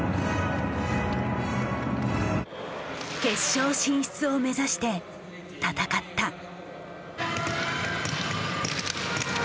決勝進出を目指して戦った。